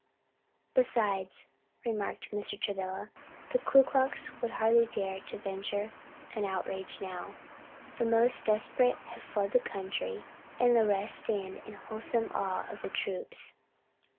"Besides," remarked Mr. Travilla, "the Ku Klux would hardly dare venture an outrage now. The most desperate have fled the country, and the rest stand in wholesome awe of the troops."